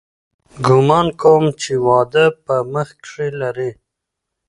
ګومان کوم چې واده په مخ کښې لري.